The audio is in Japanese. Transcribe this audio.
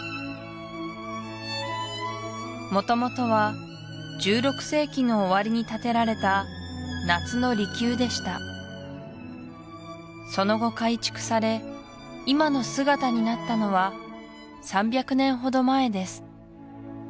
元々は１６世紀の終わりに建てられた夏の離宮でしたその後改築され今の姿になったのは３００年ほど前です